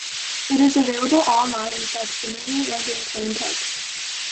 It is available online in facsimile and in plain text.